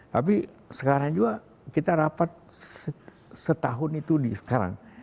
tapi sekarang juga kita rapat setahun itu sekarang